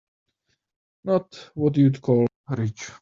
Not what you'd call rich.